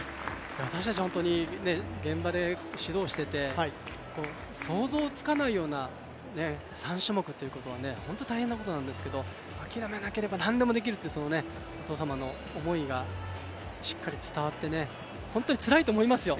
私たちも現場で指導していて、想像つかないような、３種目っていうことは本当に大変なことなんですけど諦めなければ何でもできるっていうお父様の思いがしっかり伝わって本当につらいと思いますよ